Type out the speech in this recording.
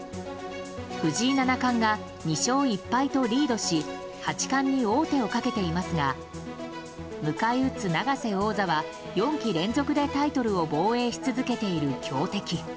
藤井七冠が２勝１敗とリードし八冠に王手をかけていますが迎え撃つ永瀬王座は４期連続でタイトルを防衛し続けている強敵。